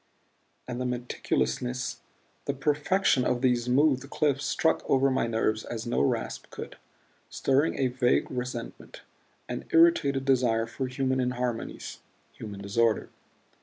And the meticulousness, the perfection of these smoothed cliffs struck over my nerves as no rasp could, stirring a vague resentment, an irritated desire for human inharmonies, human disorder.